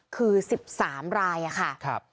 คือ๑๓รายค่ะ